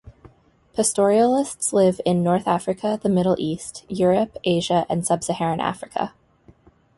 Pastoralists live in North Africa, the Middle East, Europe, Asia, and sub-Saharan Africa.